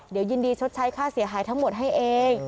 เดี๋ยวยินดีชดใช้ค่าเสียหายทั้งหมดให้เอง